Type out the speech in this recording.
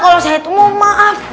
kalau saya tuh mau maafin